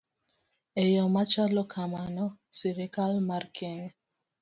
E yo machalo kamano, sirkal mar Kenya